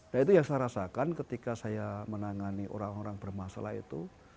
nah itu yang saya rasakan ketika saya menangani orang orang bermasalah itu